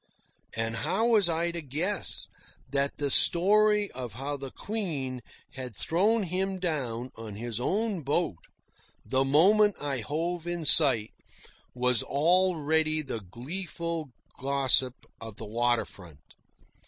And how was I to guess that the story of how the Queen had thrown him down on his own boat, the moment I hove in sight, was already the gleeful gossip of the water front?